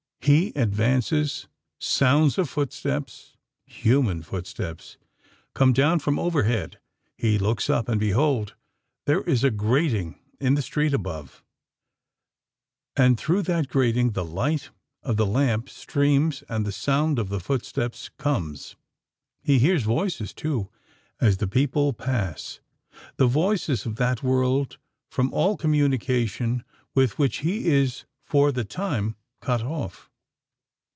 He advances: sounds of footsteps—human footsteps—come down from overhead. He looks up—and, behold! there is a grating in the street above; and through that grating the light of the lamp streams and the sound of the footsteps comes. He hears voices, too—as the people pass,—the voices of that world from all communication with which he is for the time cut off!